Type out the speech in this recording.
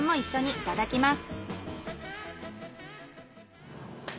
いただきます。